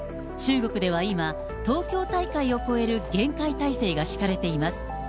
中国では今、東京大会を超える厳戒態勢が敷かれています。